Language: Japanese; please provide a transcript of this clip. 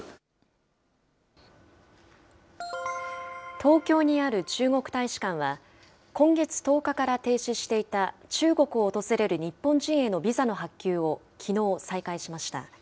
東京にある中国大使館は、今月１０日から停止していた中国を訪れる日本人へのビザの発給をきのう再開しました。